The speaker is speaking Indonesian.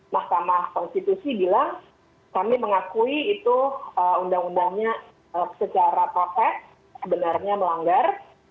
mahkamah konstitusi bilang kami mengakui itu undang undangnya secara protes sebenarnya melanggar